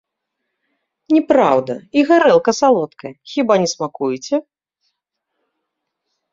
Не праўда, і гарэлка салодкая, хіба не смакуеце?